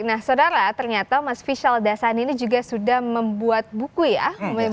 nah saudara ternyata mas fishal dasani ini juga sudah membuat buku ya